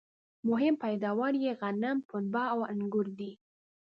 مهم پیداوار یې غنم ، پنبه او انګور دي